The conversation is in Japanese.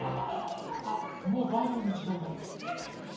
あもうバイバイのじかんだ！